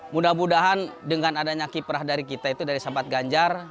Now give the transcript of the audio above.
mudah mudahan dengan adanya kiprah dari kita itu dari sahabat ganjar